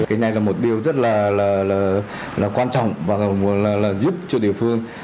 cái này là một điều rất là quan trọng và là giúp cho địa phương